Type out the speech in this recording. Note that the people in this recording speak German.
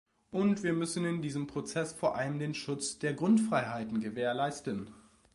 Und wir müssen in diesem Prozess vor allem den Schutz der Grundfreiheiten gewährleisten.